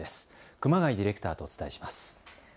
熊谷ディレクターとお伝えします。